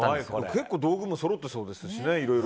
結構、道具もそろってそうですしね。